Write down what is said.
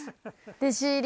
弟子入り。